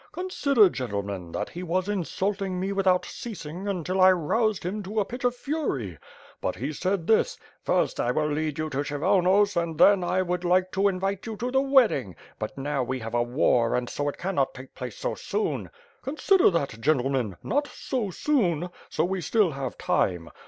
Consider, gentleman, that he was insult ing me without ceasing until I roused him to a pitch of fury; but he said this: Tirst I will lead you to Kshyvonos, and then 1 would like to invite you to the wedding; but now we have war and so it cannot take place so soon.' Consider that gentle men, not *so soon' — so we still have time.